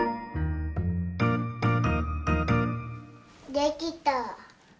できた。